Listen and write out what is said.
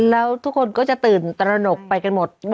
แล้วทุกคนก็จะตื่นตระหนกไปกันหมด